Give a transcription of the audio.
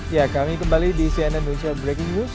ya kami kembali di cnn indonesia breaking news